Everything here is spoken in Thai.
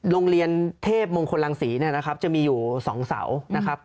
โรงเรียนเทพมงคลรังศรีเนี่ยนะครับจะมีอยู่๒เสานะครับ